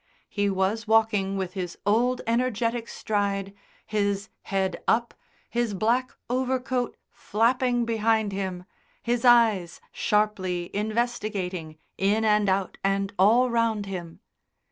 He was walking with his old energetic stride, his head up, his black overcoat flapping behind him, his eyes sharply investigating in and out and all round him.